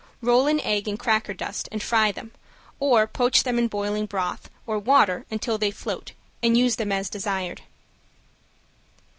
Roll in egg and cracker dust and fry them, or poach them in boiling broth or water until they float, and use them as desired.